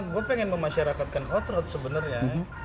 gue pengen memasyarakatkan hot road sebenarnya